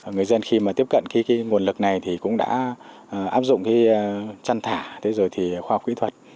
người dân khi tiếp cận nguồn lực này cũng đã áp dụng chăn thả khoa học kỹ thuật